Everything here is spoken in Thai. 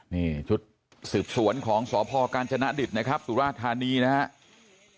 นี่ชุดสืบสวนของสพกาญจนดิตนะครับสุราธานีนะครับ